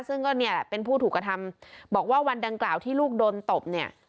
ซึ่งก็เนี่ยแหละเป็นผู้ถูกกระทำบอกว่าวันดังกล่าวที่ลูกโดนตบเนี่ย